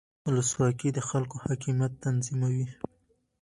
ولسواکي د خلکو حاکمیت تضمینوي